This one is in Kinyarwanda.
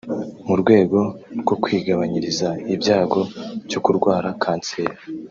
mu rwego rwo kwigabanyiriza ibyago byo kurwara kanseri